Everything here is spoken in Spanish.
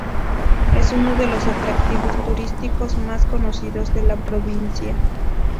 Es uno de los atractivos turísticos más conocidos de la provincia.